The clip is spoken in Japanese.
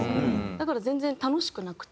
だから全然楽しくなくて。